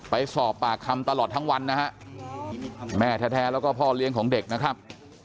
ไปสอบปากคำตลอดทั้งวันนะฮะแม่แท้แล้วก็พ่อเลี้ยงของเด็กนะครับ